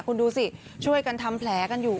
คุณดูสิช่วยกันทำแผลกันอยู่